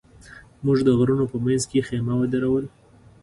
موږ د غرونو په منځ کې خېمه ودروله.